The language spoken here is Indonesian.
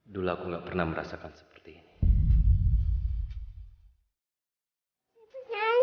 dulu aku gak pernah merasakan seperti ini